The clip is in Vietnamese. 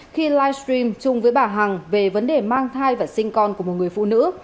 khi livestream chung với bà hằng về vấn đề mang thai và sinh con của một người phụ nữ